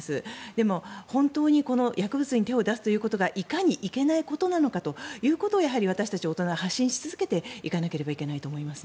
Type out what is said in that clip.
でも本当に薬物に手を出すことがいかにいけないことなのかということを私たち大人は発信し続けていかないといけないと思います。